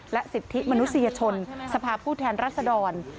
สิทธิมนุษยชนสภาพผู้แทนรัศดร